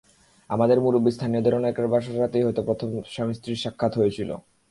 আমাদের মুরব্বি স্থানীয়দের অনেকের বাসর রাতেই হয়তো প্রথম স্বামী-স্ত্রীর সাক্ষাৎ হয়েছিল।